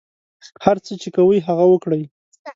هر څه چې کوئ هغه وکړئ.